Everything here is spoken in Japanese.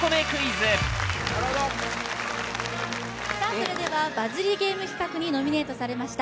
それではバズりゲーム企画にノミネートされました